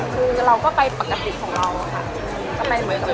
คือเราก็ไปประกอบกันของเราก็ไปเหมือนกัน